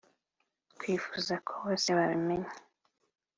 twifuza ko bose babimenya